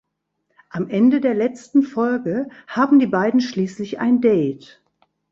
Am Ende der letzten Folge haben die beiden schließlich ein Date.